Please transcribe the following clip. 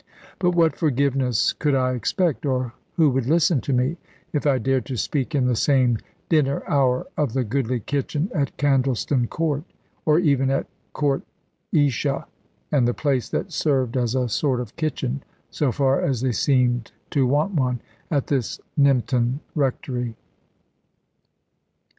But what forgiveness could I expect, or who would listen to me, if I dared to speak in the same dinner hour of the goodly kitchen at Candleston Court, or even at Court Ysha, and the place that served as a sort of kitchen, so far as they seemed to want one, at this Nympton Rectory?